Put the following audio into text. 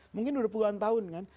mungkin udah puluhan tahun kan